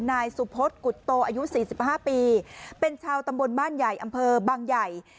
นายสุพศกุฎโตอายุ๔๕ปีเป็นชาวตำบลบ้านใหญ่อำเภอบางใหญ่